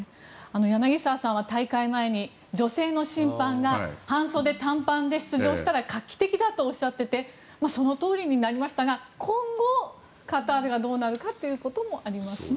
柳澤さんは大会前に女性の審判が半袖短パンで出場したら画期的だとおっしゃっていてそのとおりになりましたが今後、カタールがどうなるかということもありますね。